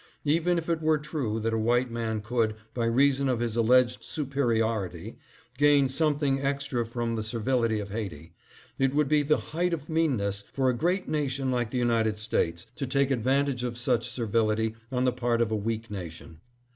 Even if it were true that a white man could, by reason of his alleged superiority, gain something extra from the ser vility of Haiti, it would be the height of meanness for a great nation like the United States to take advantage of such servility on the part of a weak nation.